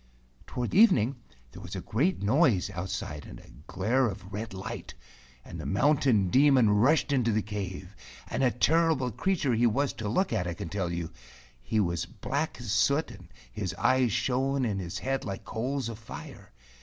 Toward evening there was a great noise out¬ side and a glare of red light, and the Mountain Demon rushed into the cave, and a terrible creature he was to look at, I can tell you. He was as black as soot, and his eyes shone in his head like coals of fire.